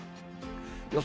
予想